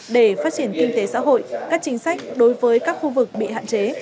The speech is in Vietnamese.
để phát triển kinh tế xã hội các chính sách đối với các khu vực bị hạn chế